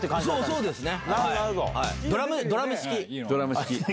そうですね。